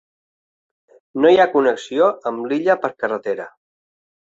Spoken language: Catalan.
No hi ha connexió amb l'illa per carretera.